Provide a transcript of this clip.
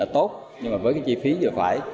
tốt nhưng mà với cái chi phí vừa phải